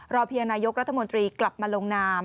เพียงนายกรัฐมนตรีกลับมาลงนาม